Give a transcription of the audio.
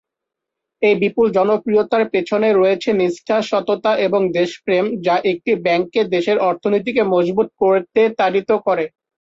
এই বিপুল জনপ্রিয়তার পেছনে রয়েছে নিষ্ঠা, সততা এবং দেশপ্রেম যা একটি ব্যাংককে দেশের অর্থনীতিকে মজবুত করতে তাড়িত করে।